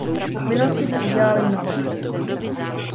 V minulosti jsme udělali mnoho chyb.